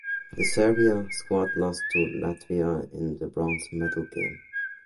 The Serbia squad lost to Latvia in the bronze medal game.